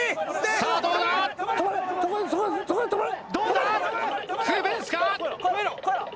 さあどうだ？